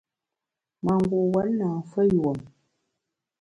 Mangu’ wuon na mfeyùom.